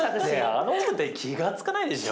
あの音で気が付かないでしょ。